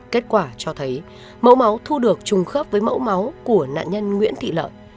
kết quả cho thấy mẫu máu thu được trùng khớp với mẫu máu của nạn nhân nguyễn thị lợi